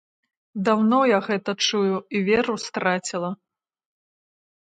Даўно я гэта чую і веру страціла.